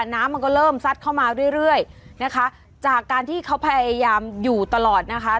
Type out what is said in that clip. น้ำมันก็เริ่มซัดเข้ามาเรื่อยเรื่อยนะคะจากการที่เขาพยายามอยู่ตลอดนะคะ